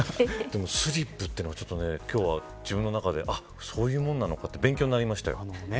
でもスリップというのがちょっとね自分の中でそういうものなのかって勉強になりましたよ。